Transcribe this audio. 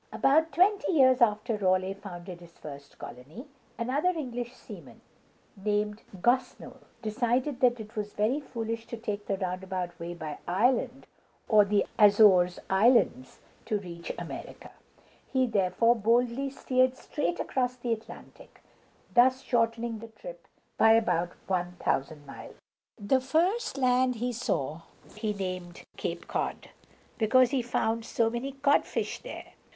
About twenty years after Raleigh founded his first colony, another English seaman, named Gos´nold, decided that it was very foolish to take the roundabout way by Iceland or the Azores Islands to reach America. He therefore boldly steered straight across the Atlantic, thus shortening the trip by about one thousand miles. The first land he saw he named Cape Cod, because he found so many codfish there.